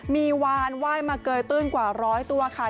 มีวานไหว้มาเกยตื้นกว่าร้อยตัวค่ะ